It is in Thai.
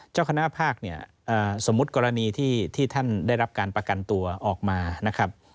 เจ้าคณะภาคเนี่ยสมมุติกรณีที่ท่านได้รับการประกันตัวออกมานะครับ